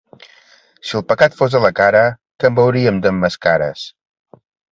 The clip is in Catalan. Si el pecat fos a la cara, que en veuríem d'emmascares!